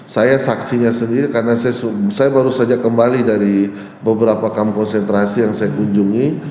saya saksinya sendiri karena saya baru saja kembali dari beberapa kampus sentrasi yang saya kunjungi